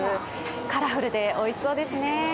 カラフルでおいしそうですね。